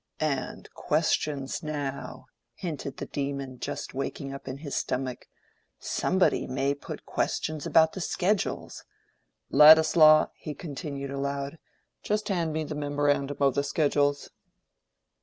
"And questions, now," hinted the demon just waking up in his stomach, "somebody may put questions about the schedules.—Ladislaw," he continued, aloud, "just hand me the memorandum of the schedules."